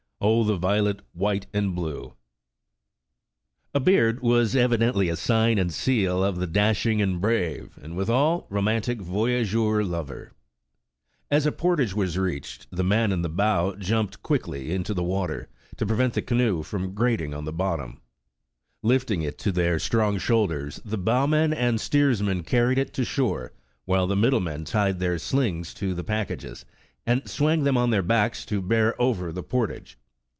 Oh, the violet, white and blue ! I it A beard was evidently a sign and seal of the dosh ing and brave, and withal, romantic voyageur lover. Ill The Original John Jacob Astor As a portage was reached, the man in the bow jumped quickly into the water, to prevent the canoe from grating on the bottom. Lifting it to their strong shoulders, the bowman and steersman carried it to shore, while the middle men tied their slings to the packages, and swamg them on their backs to bear over the portage.